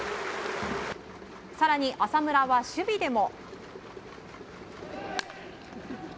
更に浅村は守備でも。